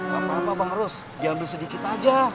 gapapa bang rus diambil sedikit aja